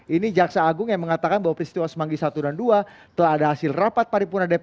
ini jaksa agung yang mengatakan bahwa peristiwa semanggi satu dan dua telah ada hasil rapat paripurna dpr